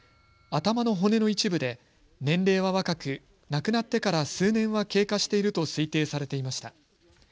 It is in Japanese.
頭の骨の一部で年齢は若く亡くなってから数年は経過していると推定されていました。